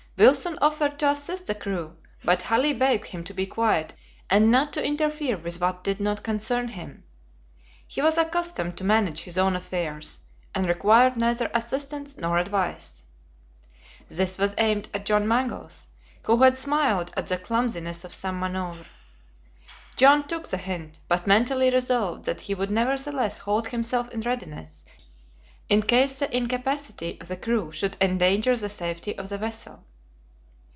Wilson offered to assist the crew; but Halley begged him to be quiet and not to interfere with what did not concern him. He was accustomed to manage his own affairs, and required neither assistance nor advice. This was aimed at John Mangles, who had smiled at the clumsiness of some maneuver. John took the hint, but mentally resolved that he would nevertheless hold himself in readiness in case the incapacity of the crew should endanger the safety of the vessel.